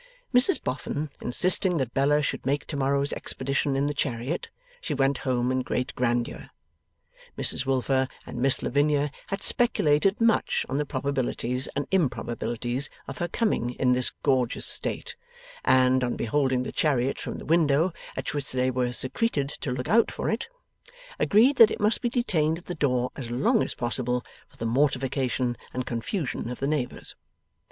Mrs Boffin, insisting that Bella should make tomorrow's expedition in the chariot, she went home in great grandeur. Mrs Wilfer and Miss Lavinia had speculated much on the probabilities and improbabilities of her coming in this gorgeous state, and, on beholding the chariot from the window at which they were secreted to look out for it, agreed that it must be detained at the door as long as possible, for the mortification and confusion of the neighbours.